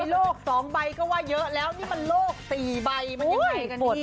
โลก๒ใบก็ว่าเยอะแล้วนี่มันโลก๔ใบมันยังไงกันหมด